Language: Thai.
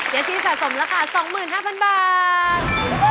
ที่สะสมราคา๒๕๐๐๐บาท